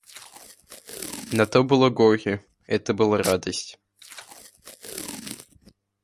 Но то было горе, — это была радость.